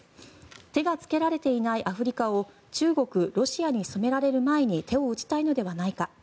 手がつけられていないアフリカを中国、ロシアに染められる前に手を打ちたいのではないか。